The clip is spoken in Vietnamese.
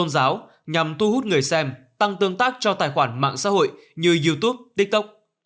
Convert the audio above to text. công giáo nhằm thu hút người xem tăng tương tác cho tài khoản mạng xã hội như youtube tiktok